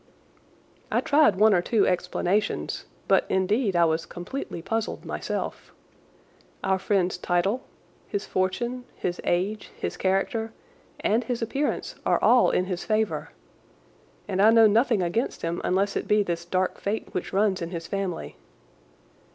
I tried one or two explanations, but, indeed, I was completely puzzled myself. Our friend's title, his fortune, his age, his character, and his appearance are all in his favour, and I know nothing against him unless it be this dark fate which runs in his family.